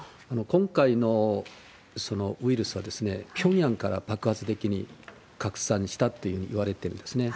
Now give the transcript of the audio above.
今回のウイルスはピョンヤンから爆発的に拡散したっていうふうにいわれていますね。